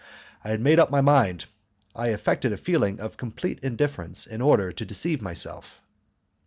I had made up my mind; I affected a feeling of complete indifference in order to deceive myself.